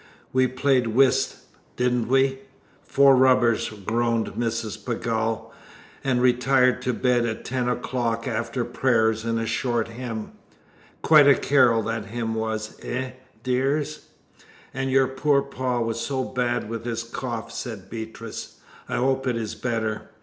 "We played whist, didn't we?" "Four rubbers," groaned Mrs. Pegall, "and retired to bed at ten o'clock, after prayers and a short hymn. Quite a carol that hymn was, eh, dears?" "And your poor pa was so bad with his cough," said Beatrice, "I hope it is better.